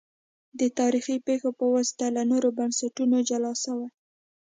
دا د تاریخي پېښو په واسطه له نورو بنسټونو جلا سوي